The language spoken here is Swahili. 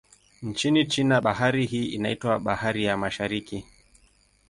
Nchini China, bahari hii inaitwa Bahari ya Mashariki.